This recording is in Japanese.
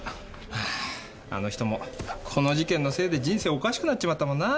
あああの人もこの事件のせいで人生おかしくなっちまったもんなぁ。